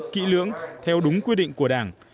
kỹ lưỡng theo đúng quy định của đảng